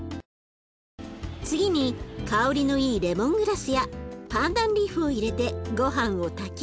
次に香りのいいレモングラスやパンダンリーフを入れてごはんを炊き